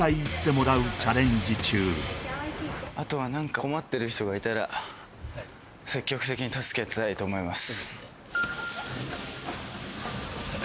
あとは何か困ってる人がいたら積極的に助けたいと思います